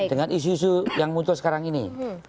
dengan isu isu yang muncul sekarang ini